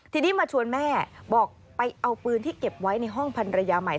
ทีนี้มาชวนแม่บอกไปเอาปืนที่เก็บไว้ในห้องพันรยาใหม่